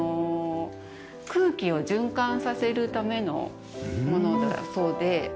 空気を循環させるためのものだそうで。